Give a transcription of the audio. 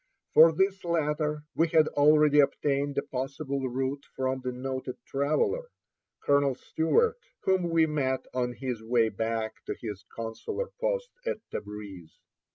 For this latter we had already obtained a possible route from the noted traveler, Colonel Stewart, whom we met on his way back to his consular post at Tabreez.